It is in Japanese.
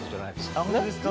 ああ本当ですか？